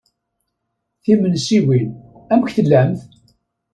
Timensiwin, amek tellamt?